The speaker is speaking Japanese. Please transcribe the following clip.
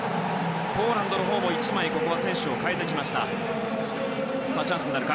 ポーランドのほうも１枚選手を代えてきました。